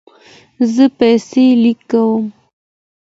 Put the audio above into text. زه پیسې لیکم